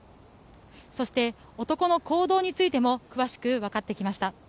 そして、男の行動についても詳しくわかってきました。